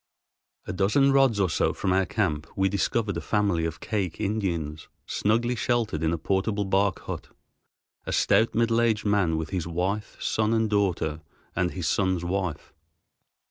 A dozen rods or so from our camp we discovered a family of Kake Indians snugly sheltered in a portable bark hut, a stout middle aged man with his wife, son, and daughter, and his son's wife.